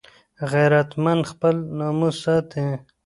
غیرتمند خپل ناموس ساتي